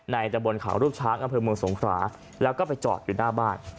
ตะบนเขารูปช้างอำเภอเมืองสงขราแล้วก็ไปจอดอยู่หน้าบ้าน